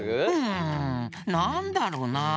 うんなんだろうなあ。